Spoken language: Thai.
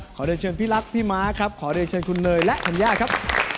ขอเดินเชิญพี่ลักษมณ์พี่ม้าครับขอเดินเชิญคุณเหนย์และฮันย่าครับ